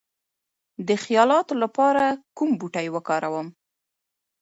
د خیالاتو لپاره کوم بوټي وکاروم؟